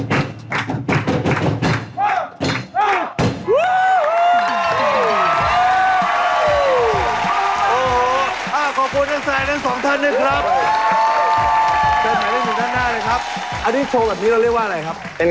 โชว์จากปริศนามหาสนุกหมายเลขหนึ่ง